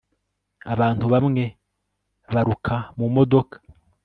abantu bamwe baruka mu modoka